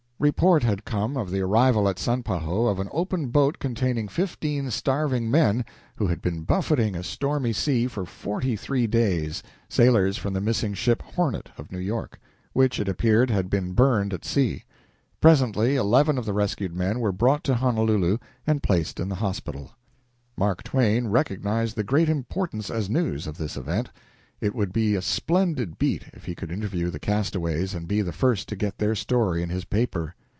Report had come of the arrival at Sanpahoe of an open boat containing fifteen starving men, who had been buffeting a stormy sea for forty three days sailors from the missing ship Hornet of New York, which, it appeared, had been burned at sea. Presently eleven of the rescued men were brought to Honolulu and placed in the hospital. Mark Twain recognized the great importance as news of this event. It would be a splendid beat if he could interview the castaways and be the first to get their story in his paper.